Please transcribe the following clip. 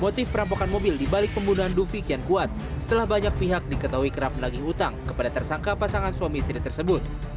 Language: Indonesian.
motif perampokan mobil dibalik pembunuhan dufi kian kuat setelah banyak pihak diketahui kerap menagih utang kepada tersangka pasangan suami istri tersebut